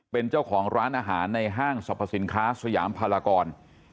เป็นเจ้าของร้านอาหารในห้างสรรพสินค้าสยามพลากร